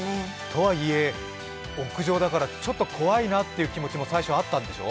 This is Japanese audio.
とはいえ、屋上だからちょっと怖いなって気持ちも最初、あったんでしょ？